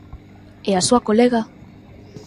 ¿E a súa colega?